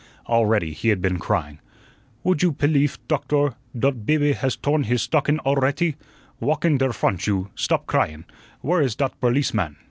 Already he had been crying. "Woult you pelief, Doktor, dot bube has torn his stockun alreatty? Walk in der front, you; stop cryun. Where is dot berliceman?"